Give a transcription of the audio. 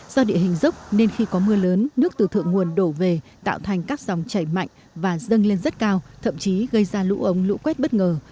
do địa hình dốc nên khi có mưa lớn nước từ thượng nguồn đổ về tạo thành các dòng chảy mạnh và dâng lên rất cao thậm chí gây ra lũ ống lũ quét bất ngờ